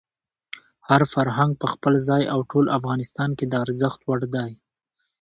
هر فرهنګ په خپل ځای او ټول افغانستان کې د ارزښت وړ دی.